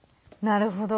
なるほど。